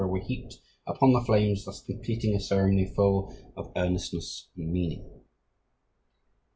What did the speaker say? were heaped upon the flames, thus completing a ceremony full of earnestness and meaning.